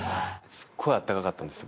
すっごい温かかったんですよ。